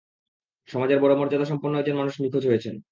সমাজের বড় মর্যাদাসম্পন্ন একজন মানুষ নিখোঁজ হয়েছেন।